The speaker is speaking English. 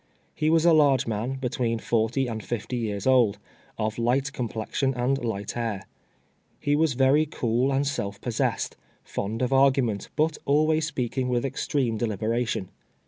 He was a large man , between forty and fifty years old, of light complexion and light hair. lie was very cool and self possessed, fond of argument, but always speaking with extreme de liberation.